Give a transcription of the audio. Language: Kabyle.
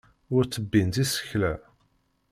Ur ttebbint isekla.